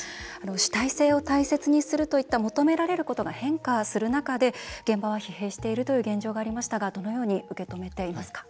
主体性を大切にするといった求められることが増える中で現場は疲弊しているという現状がありましたがどのように受け止めていますか？